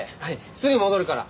すぐ戻るから。